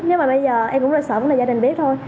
nhưng mà bây giờ em cũng rất sợ gia đình biết thôi